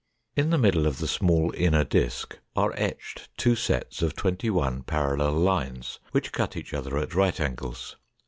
In the middle of the small inner disk are etched two sets of twenty one parallel lines which cut each other at right angles.